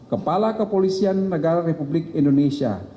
kepala kepolisian negara republik indonesia